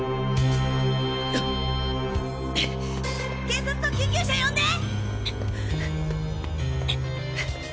警察と救急車呼んで！